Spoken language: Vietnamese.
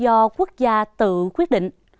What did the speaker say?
đóng góp do quốc gia tự quyết định